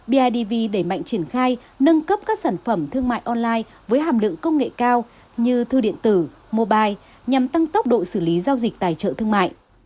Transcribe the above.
bidv đẩy mạnh triển khai nâng cấp các sản phẩm thương mại online với hàm lượng công nghệ cao như thư điện tử mobile nhằm tăng tốc độ xử lý giao dịch tài trợ thương mại